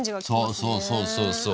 そうそうそうそうそう。